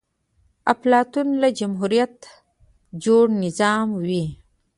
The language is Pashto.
افلاطون له جمهوريته جوړ نظام وای